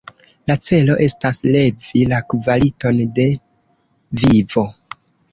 La celo estas levi la kvaliton de vivo.